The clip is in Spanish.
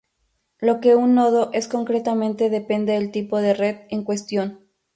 Lo que un nodo es concretamente depende del tipo de red en cuestión.